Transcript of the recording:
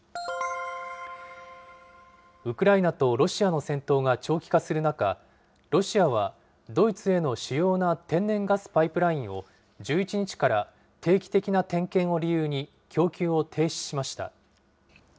ウクライナとロシアの戦闘が長期化する中、ロシアはドイツへの主要な天然ガスパイプラインを、１１日から定期的な点検を理由に供給を停止しました。